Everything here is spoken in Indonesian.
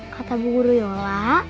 kata bu guru yola